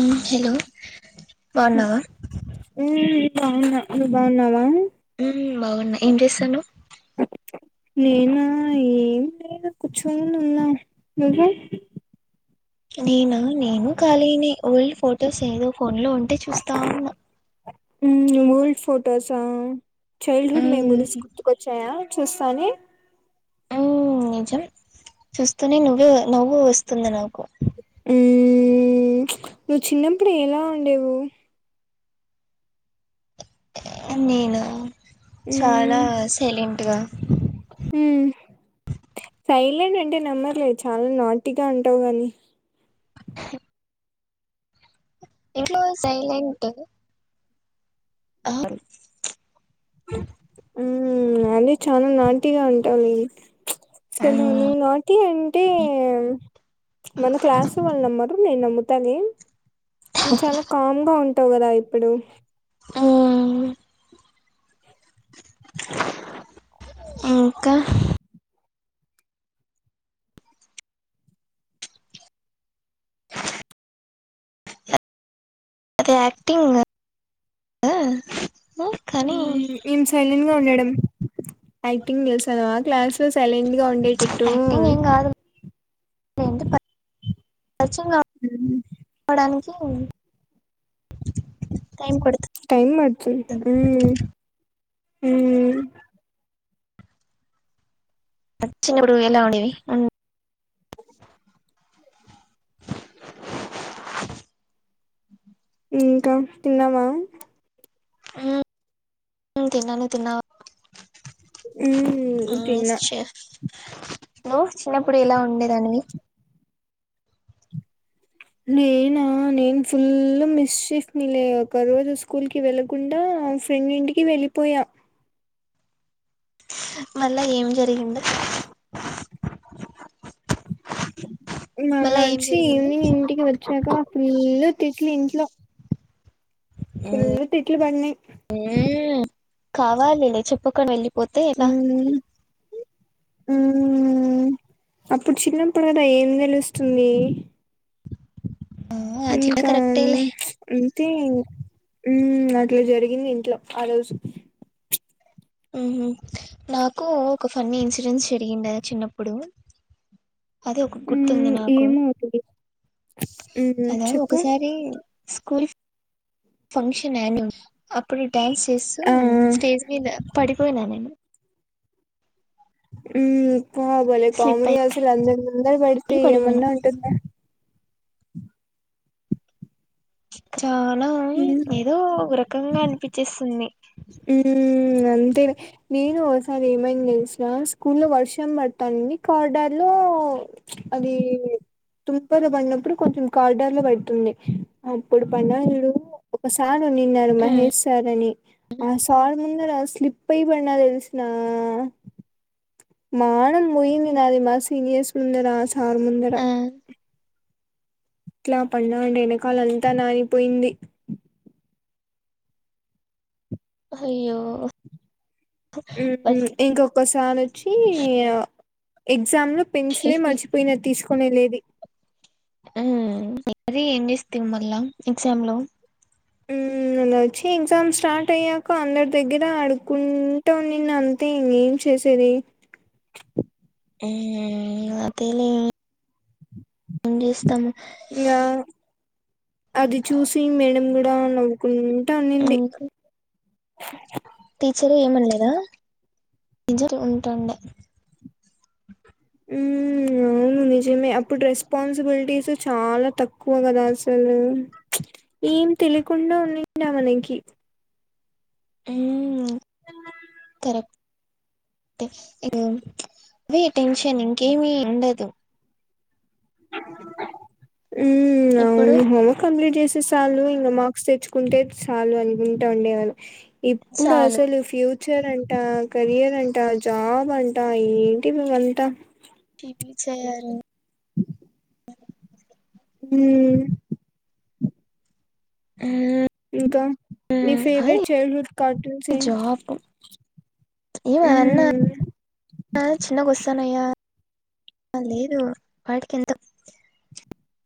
మ్ hello బావున్నావా బావున్నా నువ్వ్ బావున్నావా మ్ హు బాగున్నా ఏం చేస్తున్నావ్ నేనా ఏమి నేను కూర్చోనున్నా నువ్వు నేనా నేను ఖాళీనే ఓల్డ్ ఫోటోస్ ఏదో ఫోన్ లో ఉంటే చూస్తా ఉన్నా ఫోటోసా చైల్డ్ హుడ్ మెమోరీస్ గుర్తుకొచ్చాయా చూస్తానే మ్ నిజం చూస్తూనే నువ్వే నవ్వు వస్తుంది నాకు మ్మ్ మ్ మ్మ్ నువ్వు చిన్నప్పుడు ఎలా ఉండేవు నేను చాలా సైలెంట్ గా మ్ సైలంట్ అంటే నమ్మర్లేదు చాలా నాటీగా ఉంటావు గాని [unintelligible] ఇంట్లో సైలెంట్ ఆహ్ ఊ అంటే చాలా నాటీగా ఉంటాది సలు ఉమ్ నువ్వు నాటీ అంటే మన క్లాసు వాళ్ళు నమ్మర్ ట్రు నే నమ్ముతాలే చాలా కామ్ గా ఉం టవ్ కదా ఇప్పుడు [unintelligible] ఇంకా అదే ఆక్టింగ్ అ మ్ ఏం సైలిన్గా ఉండడం టైపింగ్ చేస్తనావా క్లాస్ టు సైలెంట్ గా ఉండేటట్టు [unintelligible] ప పరిచయం మ్మ్. గావడానికి కు టైం ప టైం పడుతు హ్మ్ హ్మ్ చిన్నవుడు ఎలా ఉండేవి ఇంకా తిన్నావా హ్మ్ తిన్నా నువ్వు తిన్నావ హ్మ్ తిన్నా చెఫ్ చిన్నప్పుడు ఎలా ఉండేదానివి నేనా నేను ఫుల్ మిస్షిఫ్ నిలే ఒక రోజు స్కూల్ కి వెళ్ళకుండా ఫ్రెండ్ ఇంటికి వెళ్ళిపోయా మళ్ళా ఏం జరిగింది మొన్న మళ్ళా ఏం వచ్చి జరిగింది ఈవినింగ్ ఇంటికి వచ్చాక ఫుల్ తిట్లు ఇంట్లో ఫుల్లు తిట్లు పన్నాయ్ కావాలే చెప్పుకొని వెళ్లి పోతే ఏలా హ్మ్ అప్పుడు చిన్నప్పుడు కదా ఏం తెలుస్తుంది ఆ అది కూడా ఇంకా కరెక్టేలే హ్మ్ అయితే హ్మ్ అట్ల జరిగింది ఇంట్లో ఆ రోజు హ్మ్ హు నాకు ఒక ఫన్నీ ఇన్సిడెంట్స్ జరిగిండే చిన్నప్పుడు అది ఒక గుర్తుంది మ్మ్ నాకు ఏమో మ్మ్ అదా చెప్పు ఒకసారి స్కూల్ ఫంక్షన్ నాన అప్పుడు డ్యాన్స్ చేస్తూ ఆ స్టేజ్ మీద పడి పోయినా నేను హ్మ్ భలే స్లిప్ కామెడి అసలు అందరి ముందర పడితే అయి పడిపోయినా ఏమన్నా ఉంటుందా చాలా మ్మ్ ఏదో ఒక రకంగా అనిపిచ్చేస్తుంది హ్మ్మ్ అ అంతే నేను ఒకసారి ఏమైంది తెలుసా స్కూల్ లో వర్షం పడతాంది కార్డార్ లో అది తుంపెరా పడినప్పుడు కొంచెం కార్డార్ లో పడుతుంది అప్పుడు పడిన చూడు ఒకసారి కాదు నిన్న మహేష్ సార్ అని ఆ సార్ ముందర అ స్లిప్పై పడిన తెల్సునా మానం పోయింది నాది మా సీనియర్స్ ముందర ఆ సార్ ముందర ఆ ఎట్లా పడిన అంటే వెనకాల అంతా నానిపోయింది హయ్యో ఉ మ్ ఇంకొక స వానొచ్చీ అ ఇ ఎగ్జామ్లో లో పెన్సిలే మచిపోయినా తీసుకు కొనేది లేది మ్ మరి ఏం చేస్తివి మల్ల ఎక్జామ్ లో ఉ అలా వచ్చి ఎగ్జామ్ స్టార్ట్ అయ్యాక అందర దగ్గర అడుకుంటా ఉన్నిన అంతే ఇంకేమి చేసేది మ్ అదేలే ఏం చేస్తాం ఇంకా అది చూసి మేడం కూడా నవ్వుకున్ అట్ట అనింది ఇంకా టీచర్ ఏమనలేదా మ్ అవును నిజమే అప్పుడు రెస్పాన్సిబిలిటీస్ చాలా తక్కువ కదా అసలు ఏం తెలియకుండా ఉనిన్నే మనకి మ్ వే టెన్షన్ ఇంకేమి ఉండదు అ ఇప్పుడు చేసే సాలు ఇంకా మార్క్స్ తెచ్చుకుంటే చాలు అనుకుంటా ఉండేవాళ్ళం ఇప్పుడు చాలు అసలు ఫ్యూత్ ఫ్యూచర్ అంట కరియర్ అంట జాబ్ అంటా ఏంటి ఇవంత చేరు మ్ మ్మ్ ఇంకా నీ అది ఫేవరెట్ చైల్డ్హుడ్ కార్టూన్స్ ఏం ఏమఅవన్నా మ్మ్ చిన్నగా వస్తానయ్యా లేదు వాటికెంత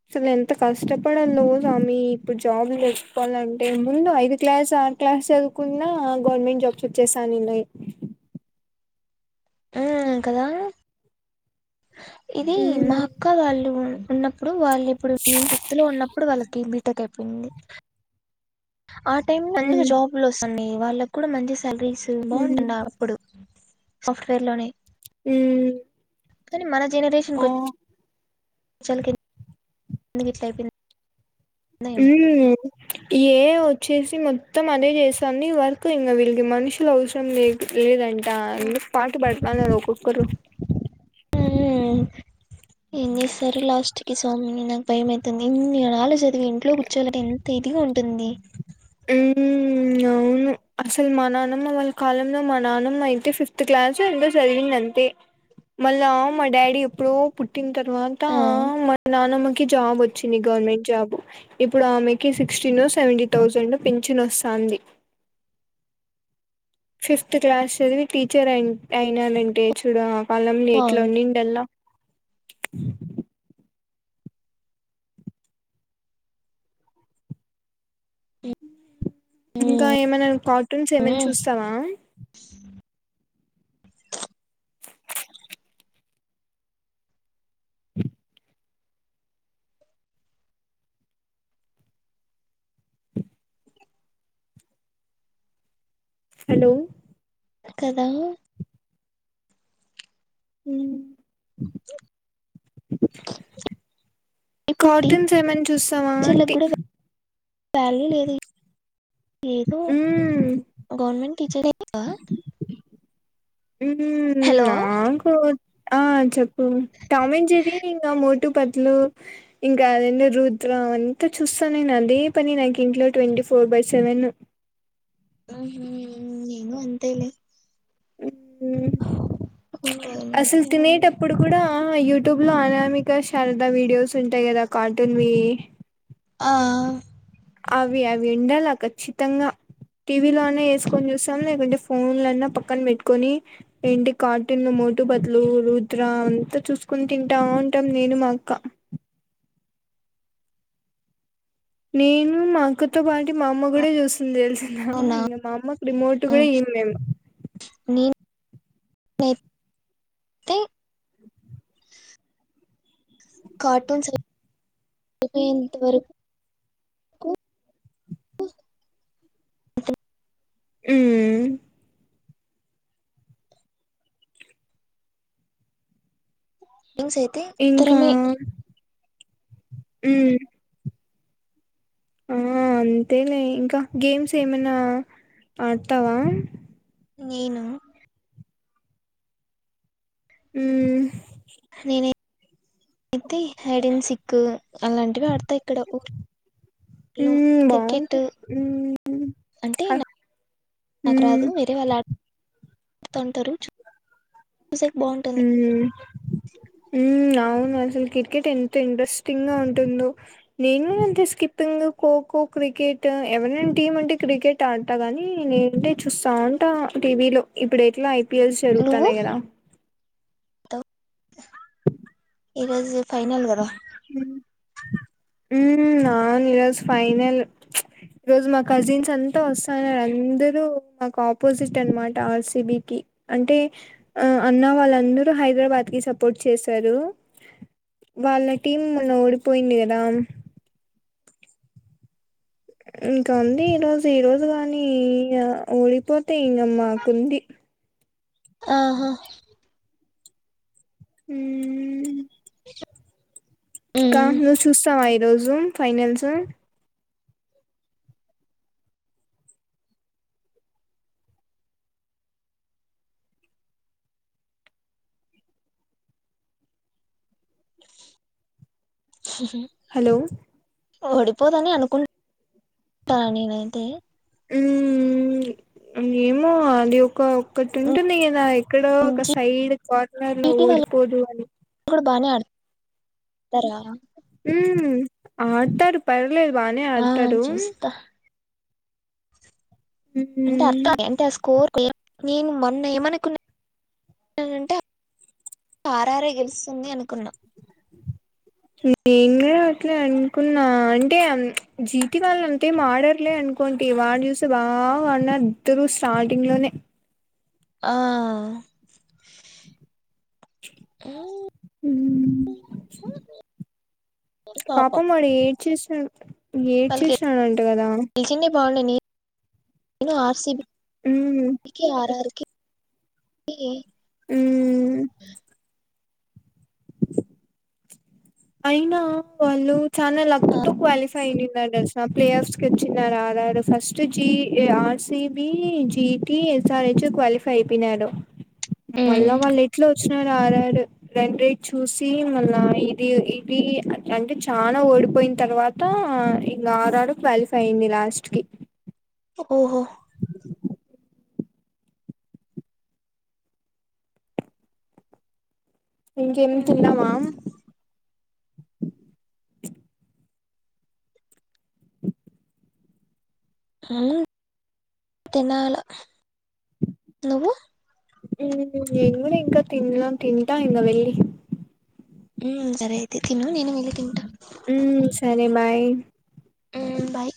అసలు ఎంత కష్టపడలో స్వామి ఇప్పుడు జాబ్లు తెచుకోవాలంటే ముందు ఐదు క్లాస్ ఆరు క్లాస్ చదువుకున్నా గవర్నమెంట్ జాబ్స్ వచ్చేసానున్నాయి మ్ కదా ఇది మా మ్మ్ అక్క వాళ్ళు ఉన్నప్పుడు వాళ్ళు ఇప్పుడు నేను ఫిఫ్త్ లో ఉన్నప్పుడు వాళ్ళకి తక ఐపోంది ఆ టైమ్ లో ఎందుక మ్మ్ జాబ్ లొస్త అమ్మి వాళ్ళ కూడా మంచి సాలరీస్ మ్మ్ బాగుంటండ అప్పుడు సాఫ్ట్వేర్ లోనే మ్ కానీ మన జెనరేషన్ కి వచ్చ చాల ఎందుకు ఇట్లా అయిపోయిందో ఉ ఏమో ఏ వచ్చేసి మొత్తం అదే చేస్తాంది. వర్కు ఇంకా వీళ్ళకి మనుషులు అవసరం లే లేదంట. అందుకు పాటు పడతారు ఒక్కొక్కరు. ఏం చేస్తారు. లాస్ట్ కి స్వామిని నాకు భయం అవుతుంది. ఇన్ని నేను ఆలో చదివి ఇంట్లో కూర్చోలంటే ఎంత ఇదిగా ఉంటుంది. అవును అసలు మా నానమ్మ వాళ్ళ కాలంలో మా నానమ్మ అయితే ఫిఫ్త్ క్లాస్ ఎంతో చదివింది. అంతే మళ్ళా మా డాడీ ఎప్పుడో పుట్టిన తర్వాత ఆ మా నానమ్మకి జాబ్ వచ్చింది. గవర్నమెంట్ జాబ్ ఇప్పుడు ఆమెకి సిక్స్టీన్ సెవెంటీ థౌసండ్. పించెను వస్తుంది ఫిఫ్త్ క్లాస్ చదివి టీచర్ అయిననంటే చూడ వాళ్ళమ్ని ఆ ఎట్లా ఉన్నిండడిల్లా ఇంకా ఏమైనా కార్టూన్స్ ఏమైనా చూస్తావా [unintelligible] హలో కదా హ్మ్ ఇప్పుడు కాటన్స్ ఏమని చూస్తావా అంటే పాలి లేది ఏదో హ్మ్ గవర్మెంట్ చర్ ఎత్ ఉ నా కు ఆ చెప్ టామ్మెంజెర్రీ మోటు పతు ఇంకా అదే రుద్ర అంతా చూస్తా నేను అదే పని నాకు ఇంట్లో ట్వంటీ ఫోర్ బై సెవెన్ ఆ హా నేను అంతేలే హ్మ్. అసలు తినేటప్పుడు కూడా ఆ యూట్యూబ్ లో అనామిక శారదా వీడియోస్ ఉంటాయి కదా కార్టూన్ వి ఆ అవి అవి ఉండాల ఖచ్చితంగా టీవీలో అన్నా, అవి అవి కాఫీ ఉండాలా కచ్చితంగా టీవీలో అన్న, వేసుకొని చూస్తాం లేకుంటే ఫోన్లన్నా పక్కన పెట్టుకొని, ఏంటి కార్టూన్ లో మోటు పతులు, రుద్ర అంతా చూసుకొని, తింటా ఉంటాం. నేను మా అక్క. నేను మా అక్కతో పాటి మా అమ్మ కూడా చూస్ అవునా ఇంగ మాఅమ్మకు రిమోట్ కూడా ఈం మేము లేంత కార్టూన్స్ ఎంతవరకు హ్మ్ సేవింగ్స్ అయితే తరమే హు ఉ ఆ అంతేలే ఇంకా గేమ్స్ ఏమైనా ఆడతావా నేను ఉమ్ నేనే అయితే హైడన్ సిక్కు అలాంటివి ఆడతాయి ఇక్కడ ఊ యం మ్మ్ క్రికెట్టు బాగుంటాయి మ్మ్ అంటే నా నాకు మ్మ్ రాదు వేరే వాళ్ళు ఆడ తంటరు చు చూసాక బావుంటుంది. హ్మ్ అవును అసలు క్రికెట్ ఎంత ఇంట్రెస్టింగ్ గా ఉంటుందో నేనూ అంతే స్కిప్పింగ్, ఖోఖో, క్రికెట్ ఎవరైనా టీమ్ ఉంటే క్రికెట్ ఆడతా గాని లేదంటే చూస్తా ఉంటా టీవీ లో ఇప్పుడు ఎట్లా అయి పిఎల్స్ నువ్వు జరుగుతన్నాయ్ కదా ఈరోజు ఫైనల్ గదా ఊ అవును ఈరోజు ఫైనల్ ఈరోజు మా కజిన్స్ అంతా వస్తన్నారు అందరూ మాకు ఆపోజిట్ అన్నమాట ఆ ర్సి బీ కి అంటే అన్న వాళ్ళందరూ హైదరాబాద్ కి సపోర్ట్ చేశారు వాళ్ళకి టీమ్ మొన్న ఓడిపోయింది కదా ఇంకా ఉంది ఈరోజు ఈ రోజు గాని ఓడిపో తే ఇంగ మాకు ఉంది. ఆహా హ్మ్ కా హను సూస్తావా ఐ ఈరోజు ఫైనాల్సు హలో ఓడిపోదని అనుకుంటా నేనైతే హ్మ్మ్ ఏమో అది ఒ ఒక్కటి ఉంటుంది కదా ఎక్కడో ఒక సైడ్ కార్నర్ లో ఓడిపోదు అని తరా హ్మ్ ఆడతారు ప లేదు బానే ఆ ఆడతాడు. చూస్తా అంటే అర్ అంటే ఆ స్కోర్ కి ఎలా నేను మొన్న ఏమనుకున్నా ఆర్ ఆరే గెలుస్తుంది అనుకున్నా. నేను అట్లా అనుకున్నా అంటే జీతి వాళ్ళు అంతేం ఆడరులే అనుకొంటే వాళ్ళు చూస్తే బాగా ఆడినారు ఇద్దరు స్టార్టింగ్ లోనే ఆ హ్మ్ పాపం పాపమ్ వాడు ఏడ్చేసినాడు. వాళ్ళకి ఏడ్చేసినాడంట కదా గెలిచిందే బాగుండు నేను ఆర్ సి బి ఉమ్ అందుకే ఆర్ ఆర్ ఏ హ్మ్ అయినా వాళ్ళు చాలా లక్ తో క్వాలిఫైని గెలిచిన play offs కొచ్చిందా [unintelligible] first G R C B, G T, S R H qualify అయిపోయినారు మళ్ళా వాళ్ళెట్లో చ్చునార్ ఆర్ ఆర్ రన్ రేట్ చూసి మళ్ళా ఇది ఇది అంటే చానా ఓడిపోయిన తర్వాత ఇంకా ఆర్ ఆర్ క్వాలిఫై అయింది లాస్ట్ కి ఓహో ఇంకేమి తిన్నవా ఆ తినాల నేన్ కూడా ఇంకా తిన్లా తింటా ఇంగ వెళ్లి ఉ సరే అయితే తిను నేను వెళ్ళి తింటా ఉం సరే బాయ్ హ్మ్మ్ బాయ్